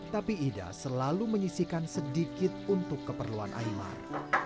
tapi ida selalu menyisikan sedikit untuk keperluan aymar